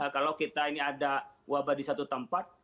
kalau kita ini ada wabah di satu tempat